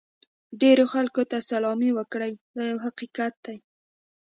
ډېرو خلکو ته سلامي وکړئ دا یو حقیقت دی.